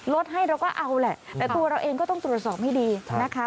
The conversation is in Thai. ให้เราก็เอาแหละแต่ตัวเราเองก็ต้องตรวจสอบให้ดีนะคะ